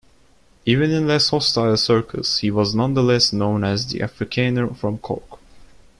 Even in less hostile circles, he was nonetheless known as "the Afrikaner from Cork".